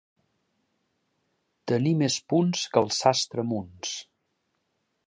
Tenir més punts que el sastre Munts.